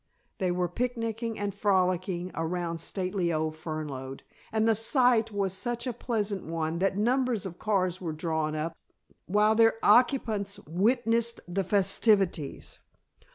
_" They were picnicking and frolicking around stately old Fernlode, and the sight was such a pleasant one that numbers of cars were drawn up, while their occupants witnessed the festivities.